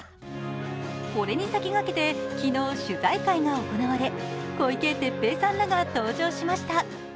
これに先駆けて昨日、取材会が行われ小池徹平さんらが登場しました。